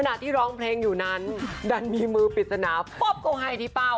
ขณะที่ร้องเพลงอยู่นั้นดันมีมือปิดสนาปุ๊บก็ไห้ที่เป้า